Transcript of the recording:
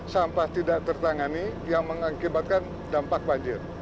sampah tidak tertangani yang mengakibatkan dampak banjir